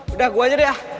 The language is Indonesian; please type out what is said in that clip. udah gue aja deh ah